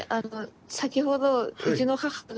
先ほどうちの母が。